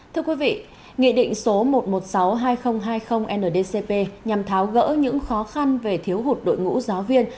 thưa quý vị nghị định số một trăm một mươi sáu hai nghìn hai mươi ndcp nhằm tháo gỡ những khó khăn về thiếu hụt đội ngũ giáo viên